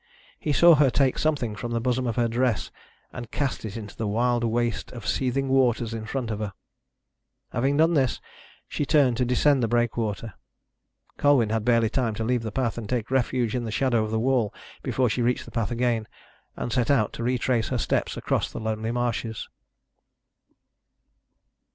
He saw her take something from the bosom of her dress and cast it into the wild waste of seething waters in front of her. Having done this she turned to descend the breakwater. Colwyn had barely time to leave the path, and take refuge in the shadow of the wall, before she reached the path again and set out to retrace her steps across the lonely marshes.